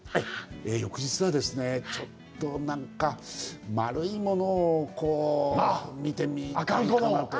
翌日はですね、ちょっとなんか丸いものを見てみたいかなと。